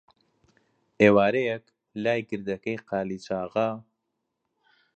ئێوارەیەک، لای گردەکەی قالیچاغا،